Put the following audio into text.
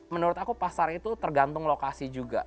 menurut aku pasar itu tergantung lokasi juga